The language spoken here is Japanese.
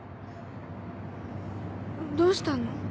どうしたの？